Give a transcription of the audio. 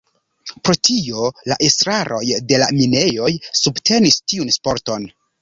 Pro tio, la estraroj de la minejoj subtenis tiun sporton.